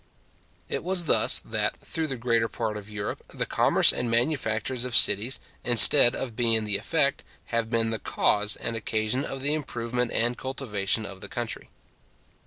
It was thus, that, through the greater part of Europe, the commerce and manufactures of cities, instead of being the effect, have been the cause and occasion of the improvement and cultivation of the country.